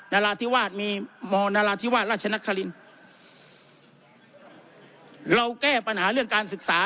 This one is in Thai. นาราธิวาสมีมนราธิวาสราชนครินทร์เราแก้ปัญหาเรื่องการศึกษา